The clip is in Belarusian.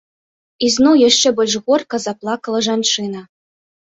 І зноў, яшчэ больш горка, заплакала жанчына.